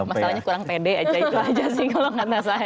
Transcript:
masalahnya kurang pede aja itu aja sih kalau kata saya